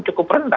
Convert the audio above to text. itu juga berbeda